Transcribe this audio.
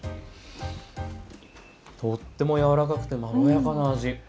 とっても柔らかくてまろやかな味！